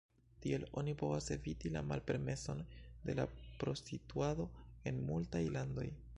Tiel oni povas eviti la malpermeson de la prostituado en multaj landoj.